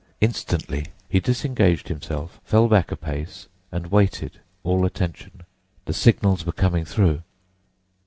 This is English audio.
Instantly he disengaged himself, fell back a pace, and waited, all attention. The signals were coming through!